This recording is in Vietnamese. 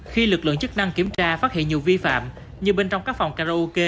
khi lực lượng chức năng kiểm tra phát hiện nhiều vi phạm như bên trong các phòng karaoke